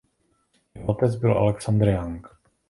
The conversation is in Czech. Jeho otec byl Alexander Young.